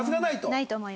ないと思います。